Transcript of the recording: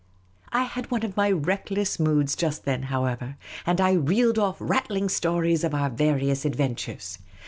I had one of my reckless moods just then, however, and I reeled off rattling stories of our various adventures.